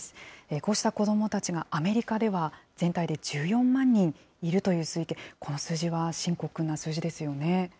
こうした子どもたちがアメリカでは、全体で１４万人いるという推計、この数字は深刻な数字ですよね。